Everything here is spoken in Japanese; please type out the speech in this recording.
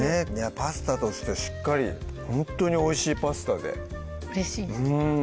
パスタとしてしっかりほんとにおいしいパスタでうれしいです